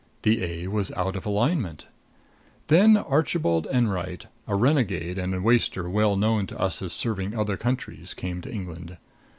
The a was out of alignment. Then Archibald Enwright, a renegade and waster well known to us as serving other countries, came to England.